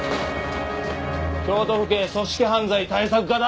京都府警組織犯罪対策課だ。